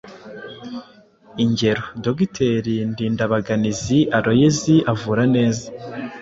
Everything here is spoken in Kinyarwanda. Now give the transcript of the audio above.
Ingero: Dogiteri Ndindabaganizi Aloyizi avura neza.